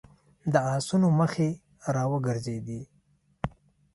د آسونو مخې را وګرځېدې.